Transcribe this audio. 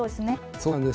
そうなんです。